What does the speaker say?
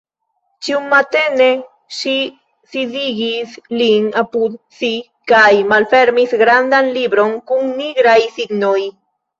Ĉiumatene ŝi sidigis lin apud si kaj malfermis grandan libron kun nigraj signoj.